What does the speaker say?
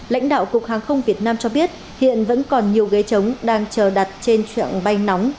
lãnh đạo cục hàng không việt nam cho biết hiện vẫn còn nhiều ghế trống đang chờ đặt trên trạng bay nóng